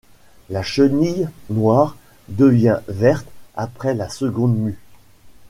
La chenille, noire, devient verte après la seconde mue.